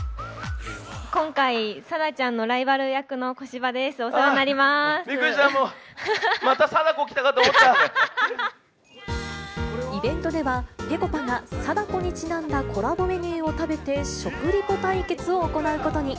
今回、貞ちゃんのライバル役の小芝です、びっくりした、もう、また貞イベントでは、ぺこぱが貞子にちなんだコラボメニューを食べて食リポ対決を行うことに。